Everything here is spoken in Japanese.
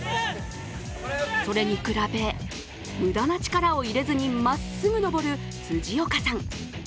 それに比べ、無駄な力を入れずにまっすぐ登る辻岡さん。